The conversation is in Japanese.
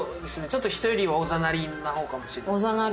ちょっと人よりはおざなりな方かもしれないですね。